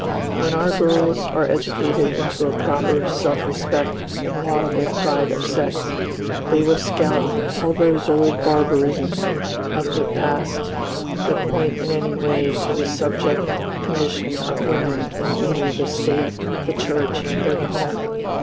When our girls are educated into a proper self respect and laudable pride of sex, they will scout all these old barbarisms of the past that point in any way to the subject condition of women in either the State, the Church, or the home.